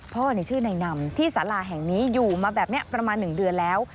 ชื่อนายนำที่สาราแห่งนี้อยู่มาแบบนี้ประมาณ๑เดือนแล้ว